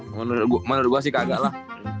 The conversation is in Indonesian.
menurut gue sih kagak lah